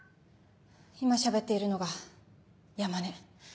・今喋っているのが山根。